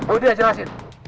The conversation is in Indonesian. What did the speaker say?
oudh dia diacak aset